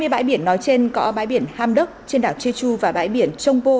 hai mươi bãi biển nói trên có bãi biển hamdok trên đảo jeju và bãi biển chonpo